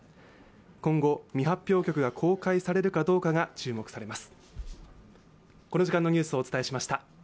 今後、未発表曲が公開されるかどうかが注目されます。